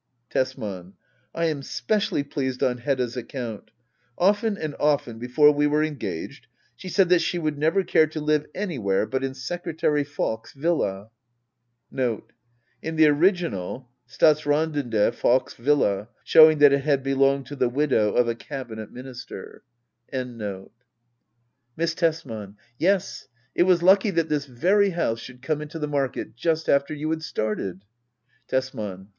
Tesman. I am specially pleased on Hedda's account Often and often, before we were engaged, she said that she would never care to live anywhere but in Secretary Falk's villa.^ 1 In the original, *' Statsradinde Falks villa"— showing that it had belonged to the widow of a cabinet minister. Digitized by Google ACT I.] HEDDA OABLER. 15 M188 Tksman. Yes, it was lucky that this very house should come into the market, just after you had started. Tesman.